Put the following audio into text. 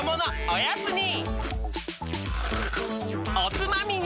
おつまみに！